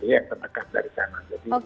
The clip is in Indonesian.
yang terdekat dari sana